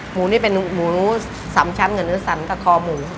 หมูนี่เป็นหมู๓ชั้นกับเนื้อสันกับคอหมู